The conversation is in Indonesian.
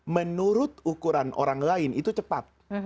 menurut ukuran orang lain itu cepat